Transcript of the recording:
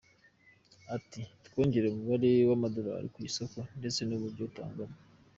Ati “ Twongereye umubare w’ amadorali ku isoko ndetse n’ uburyo atangwamo.